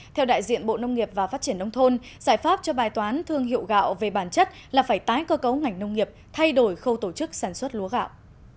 theo đại diện bộ nông nghiệp và phát triển nông thôn giải pháp cho bài toán thương hiệu gạo về bản chất là phải tái cơ cấu ngành nông nghiệp thay đổi khâu tổ chức sản xuất lúa gạo